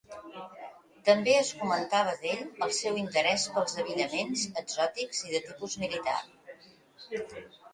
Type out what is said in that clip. També es comentava d'ell el seu interès pels abillaments exòtics i de tipus militar.